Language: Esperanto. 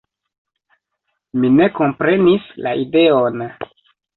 Mi ne komprenis la ideon.